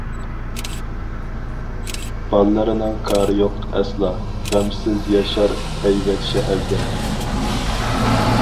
باللىرىنىڭ كارى يوق ئەسلا، غەمسىز ياشار ھەيۋەت شەھەردە.